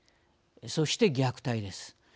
そして虐待です。